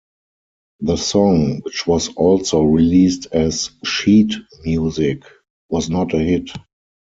The song, which was also released as sheet music, was not a hit.